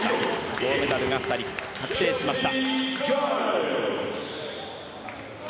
銅メダルが２人確定しました。